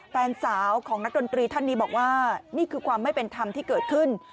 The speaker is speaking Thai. แฟนสาวของนักดนตรีท่านนี้บอกว่านี่คือความไม่เป็นธรรมที่เกิดขึ้น